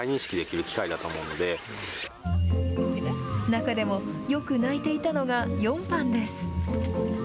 中でも、よく泣いていたのが４班です。